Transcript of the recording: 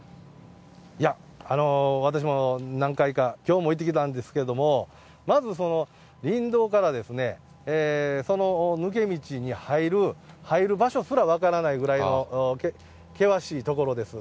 いや、私も何回か、きょうも行ってきたんですけど、まず林道から、その抜け道に入る、入る場所すら分からないぐらいの険しい所です。